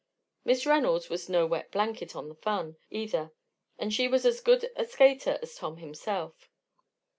Miss Reynolds was no wet blanket on the fun, either, and she was as good a skater as Tom himself.